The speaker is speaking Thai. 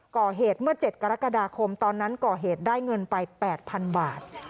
ก่อเหตุเมื่อ๗กรกฎาคมตอนนั้นก่อเหตุได้เงินไป๘๐๐๐บาท